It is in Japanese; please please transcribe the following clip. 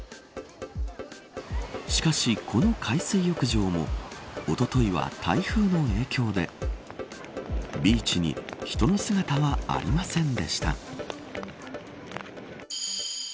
しかし、この海水浴場もおとといは台風の影響でビーチに人の姿はありませんでした。